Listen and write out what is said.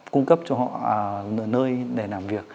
cung cấp cho họ nơi để làm việc